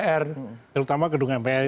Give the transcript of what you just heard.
terutama gedung mpr